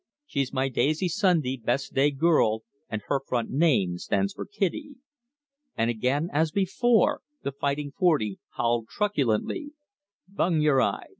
She's my daisy Sunday best day girl, And her front name stands for Kitty." And again as before the Fighting Forty howled truculently: "Bung yer eye!